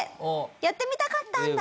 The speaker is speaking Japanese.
「やってみたかったんだ！」